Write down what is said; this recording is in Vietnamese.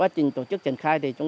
ba bốn trăm linh tỉ trên một năm